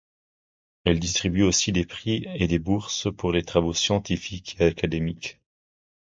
Elle distribue aussi des prix et des bourses pour des travaux scientifiques et académiques.